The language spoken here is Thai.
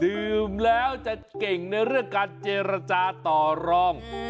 ดื่มแล้วจะเก่งในเรื่องการเจรจาต่อรอง